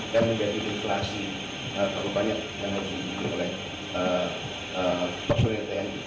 dan menjadi deflasi kalau banyak yang harus dihitung oleh personil tni